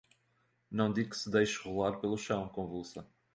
não digo que se deixasse rolar pelo chão, convulsa